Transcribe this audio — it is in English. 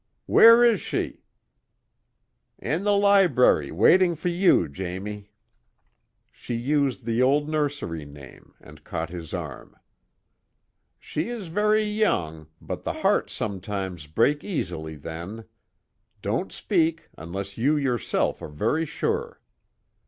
"Where is she?" "In the library waiting for you, Jamie!" She used the old nursery name, and caught his arm. "She is very young, but the heart sometimes breaks easily then. Don't speak unless you yourself are very sure."